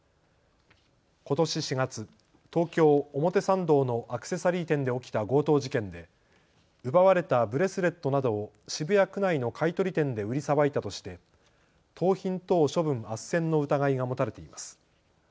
ことし４月、東京表参道のアクセサリー店で起きた強盗事件で奪われたブレスレットなどを渋谷区内の買い取り店で売りさばいたとして盗品等処分あっせんの疑いが持たれています。